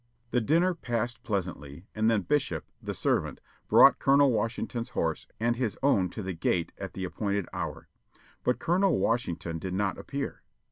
The dinner passed pleasantly, and then Bishop, the servant, brought Colonel Washington's horse and his own to the gate at the appointed hour. But Colonel Washington did not appear.